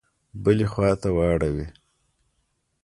بلي خواته واړوي.